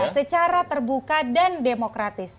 secara terbuka dan demokratis